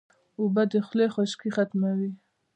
اوبه د خولې خشکي ختموي